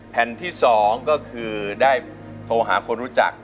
แผ่นที่๒ก็คือได้โทรหาคนรู้จัก